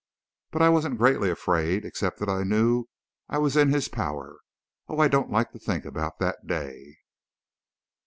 But I wasn't greatly afraid, except that I knew I was in his power. Oh, I don't like to think about that day!"